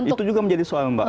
itu juga menjadi soal mbak